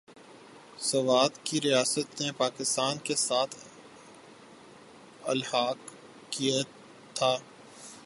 سوات کی ریاست نے پاکستان کے ساتھ الحاق کیا تھا ۔